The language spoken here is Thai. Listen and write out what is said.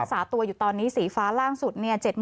สาตัวอยู่ตอนนี้สีฟ้าล่างสุด